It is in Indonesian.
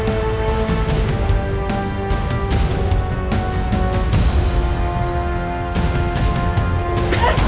udah jalanannya buntu